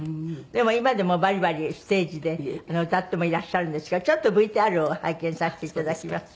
でも今でもバリバリステージで歌ってもいらっしゃるんですがちょっとＶＴＲを拝見させていただきます。